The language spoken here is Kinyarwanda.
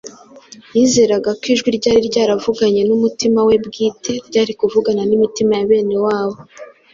Yizeraga ko Ijwi ryari ryaravuganye n’umutima we bwite ryari kuvugana n’imitima ya bene wabo,